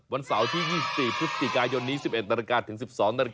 วันเสาร์ที่๒๔พฤษฎีกายนนี้๑๑นถึง๑๒น